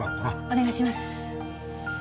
お願いします。